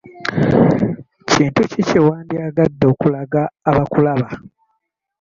Kintu ki kye wandyagadde okulaga abakulaba?